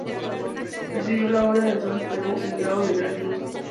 Recibió la Orden El Sol del Perú en el grado de Gran Cruz.